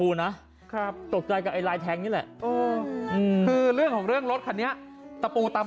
นะครับตกใจกับไอ้ลายแทงนี่แหละคือเรื่องของเรื่องรถคันนี้ตะปูตำ